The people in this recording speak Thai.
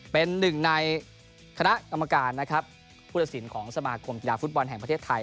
เป็นหนึ่งในคณะกรรมการผู้ถสินของสมาคมธุระฟุตบอลแห่งประเทศไทย